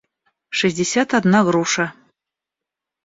шестьдесят одна груша